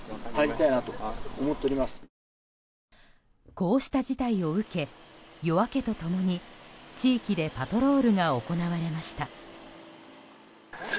こうした事態を受け夜明けと共に地域でパトロールが行われました。